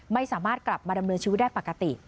ไม่สามารถกลับมาดำเนินชีวิตได้ปกติ